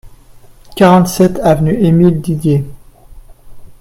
quarante-sept avenue Émile Didier